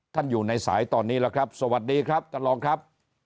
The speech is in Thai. อยู่ในสายตอนนี้แล้วครับสวัสดีครับท่านรองครับ